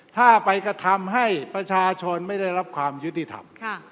ถ้าไปกระทำให้ประชาชนไม่ได้รับความยุติธรรม